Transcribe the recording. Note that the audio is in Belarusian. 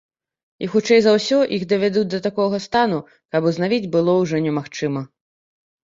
І хутчэй за ўсё іх давядуць да такога стану, каб узнавіць было ўжо немагчыма.